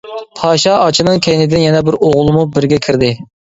پاشا ئاچىنىڭ كەينىدىن يەنە بىر ئوغۇلمۇ بىرگە كىردى.